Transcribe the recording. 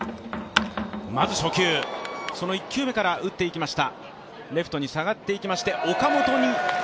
まず初球の１球目から打っていきました。